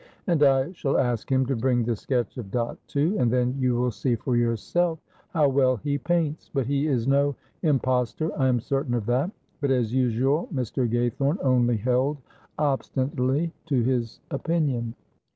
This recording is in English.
"And I shall ask him to bring the sketch of Dot, too, and then you will see for yourself how well he paints, but he is no impostor, I am certain of that;" but as usual Mr. Gaythorne only held obstinately to his opinion.